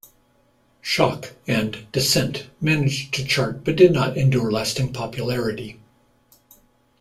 "Shock" and "Descent" managed to chart but did not endure lasting popularity.